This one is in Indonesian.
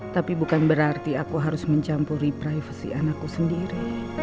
tapi bukan berarti aku harus mencampuri privasi anakku sendiri